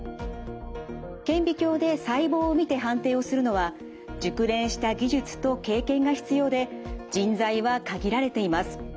顕微鏡で細胞を見て判定をするのは熟練した技術と経験が必要で人材は限られています。